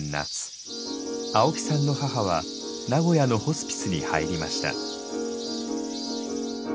青木さんの母は名古屋のホスピスに入りました。